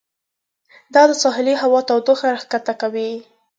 دا د ساحلي هوا تودوخه راښکته کوي.